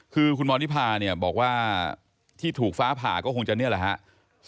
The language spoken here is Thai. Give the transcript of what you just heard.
คือคุณมณิพาเนี่ยบอกว่าที่ถูกฟ้าผ่าก็คงจะนี่แหละครับ